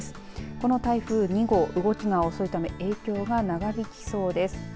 この台風２号、動きが遅いため影響が長引きそうです。